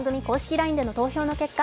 ＬＩＮＥでの投票の結果